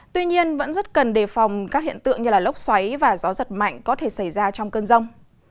tuy nhiên vẫn rất cần đề phòng các hiện tượng như lốc xoáy và gió giật mạnh có thể xảy ra trong cơn rông